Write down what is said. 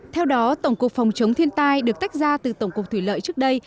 theo đó tổng cục phòng chống thiên tai được tách ra từ tổng cục thủy lợi trước đây